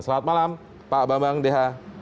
selamat malam pak bambang deha